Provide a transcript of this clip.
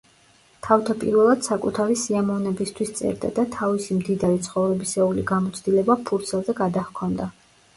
თავდაპირველად საკუთარი სიამოვნებისთვის წერდა და თავისი მდიდარი ცხოვრებისეული გამოცდილება ფურცელზე გადაჰქონდა.